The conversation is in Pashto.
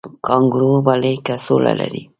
کانګارو ولې کڅوړه لري؟